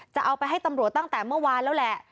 จะเอาไปให้ตำรวจตั้งแต่เมื่อวานแล้วแหละ